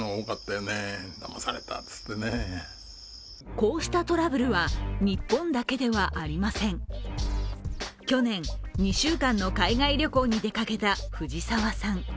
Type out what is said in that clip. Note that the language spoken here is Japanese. こうしたトラブルは日本だけではありません去年２週間の海外旅行に出かけたふじさわさん。